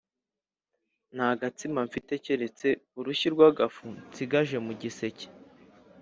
nta gatsima mfite keretse urushyi rw’agafu nshigaje mu giseke